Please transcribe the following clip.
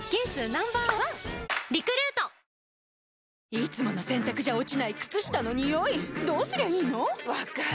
いつもの洗たくじゃ落ちない靴下のニオイどうすりゃいいの⁉分かる。